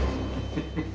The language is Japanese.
フフフ。